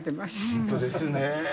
本当ですね。